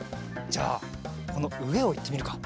じゃあこのうえをいってみるか。